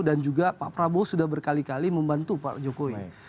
dan juga pak prabowo sudah berkali kali membantu pak jokowi